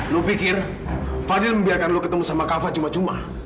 lo pikir fadil membiarkan lo ketemu sama kafa cuma cuma